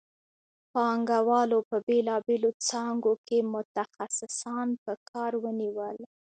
پانګوالو په بېلابېلو څانګو کې متخصصان په کار ونیول